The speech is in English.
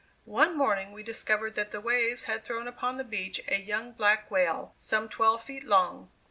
One morning we discovered that the waves had thrown upon the beach a young black whale some twelve feet long.